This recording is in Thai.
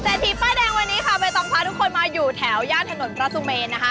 ทีป้ายแดงวันนี้ค่ะใบตองพาทุกคนมาอยู่แถวย่านถนนพระสุเมนนะคะ